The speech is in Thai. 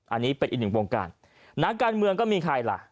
อันนี้เป็นอีกหนึ่งวงการนักการเมืองก็มีใครล่ะ